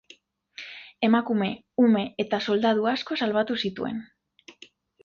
Emakume, ume eta soldadu asko salbatu zituen.